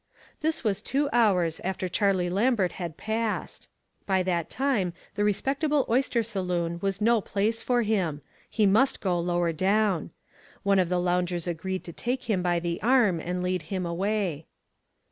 This was ,two hours after Charlie Lam bert had passed. By that time the re spectable oyster saloon was no place for him. He must go lower down. One of the loungers agreed to take him by the arm and lead him away.